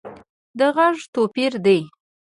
د غږ توپیر دی